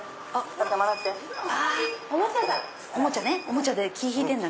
おもちゃだ！